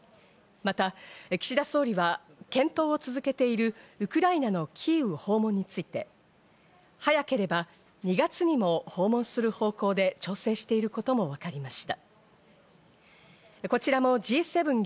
また岸田総理は検討を続けているウクライナのキーウ訪問について、早ければ２月にも訪問する方向で調整していることもわかりました。